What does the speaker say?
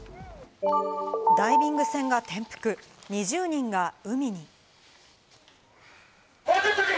ダイビング船が転覆、２０人が海に。